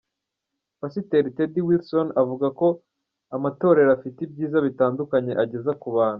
Pasiteri Tedy Wilson avuga ko amatorero afite ibyiza bitandukanye ageza ku bantu.